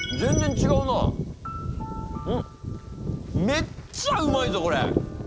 めっちゃうまいぞこれ！